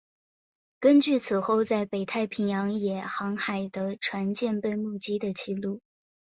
根据此后在北太平洋也航海的船舰被目击的记录。